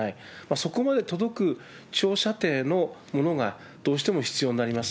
そこまで届く長射程のものがどうしても必要になります。